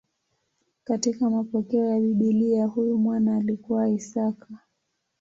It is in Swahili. Katika mapokeo ya Biblia huyu mwana alikuwa Isaka.